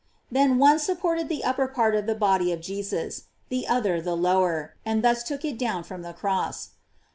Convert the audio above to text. Then one supported the upper part of the body of Jesus, the other the lower, and thus took it down from the cross.